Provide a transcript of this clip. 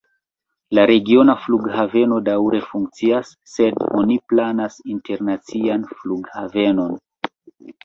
La regiona flughaveno daŭre funkcias, sed oni planas internacian flughavenon.